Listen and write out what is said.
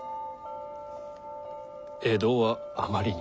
江戸はあまりに。